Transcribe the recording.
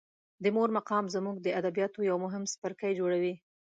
د مور مقام زموږ د ادبیاتو یو مهم څپرکی جوړوي.